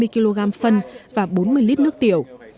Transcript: hai mươi kg phân và bốn mươi lít nước tiểu